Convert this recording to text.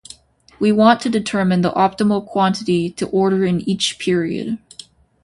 We want to determine the optimal quantity to order in each period.